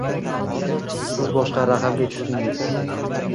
Siz boshqa raqamga tushdingiz.